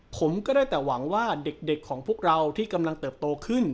ผมก็ได้แต่หวังว่าเด็กของพวกเราที่กำลังเติบโตขึ้น